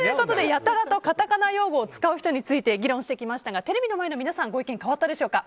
やたらとカタカナ用語を使う人について議論してきましたがテレビの前の皆さんご意見変わったでしょうか。